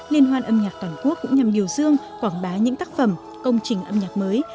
liên hoan âm nhạc toàn quốc cũng nhằm điều dương quảng bá những tác phẩm công trình âm nhạc mới